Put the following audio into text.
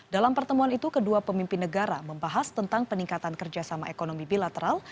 dalam pertemuan itu kedua pemimpin negara membahas tentang peningkatan kerjasama ekonomi bilateral